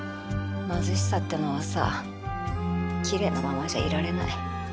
貧しさってのはさきれいなままじゃいられない。